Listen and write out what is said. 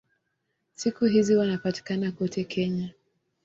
Siku hizi wanapatikana kote Kenya.